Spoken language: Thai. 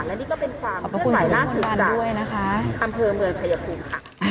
และนี่ก็เป็นความเมื่อไหร่น่าถึงจากคำเภอเมืองชัยภูมิค่ะ